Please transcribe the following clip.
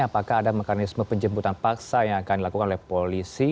apakah ada mekanisme penjemputan paksa yang akan dilakukan oleh polisi